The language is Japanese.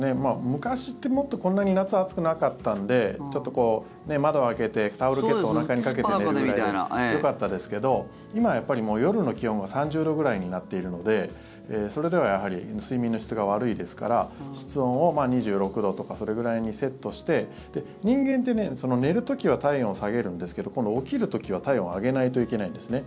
昔って、もっとこんなに夏、暑くなかったんでちょっと窓を開けてタオルケットをおなかにかけて寝るぐらいでよかったですけど今、夜の気温が３０度ぐらいになっているのでそれでは睡眠の質が悪いですから室温を２６度とかそれくらいにセットして人間って、寝る時は体温を下げるんですけど今度、起きる時は体温を上げないといけないんですね。